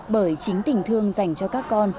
bởi chính tình thương dành cho các con